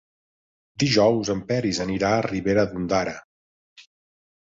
Dijous en Peris anirà a Ribera d'Ondara.